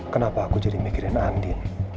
kenapa aku jadi mikirin andi